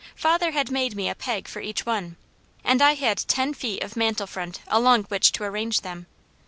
Father had made me a peg for each one, and I had ten feet of mantel front along which to arrange them.